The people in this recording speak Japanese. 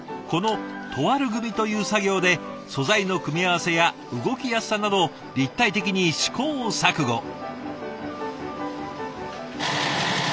このトワル組みという作業で素材の組み合わせや動きやすさなどを立体的に試行錯誤。